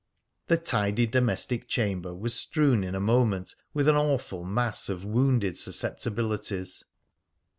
The tidy domestic chamber was strewn in a moment with an awful mass of wounded susceptibilities.